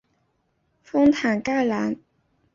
丰坦盖兰。